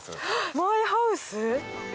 マイハウス⁉